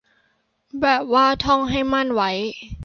แบบว่าท่องให้มั่นไว้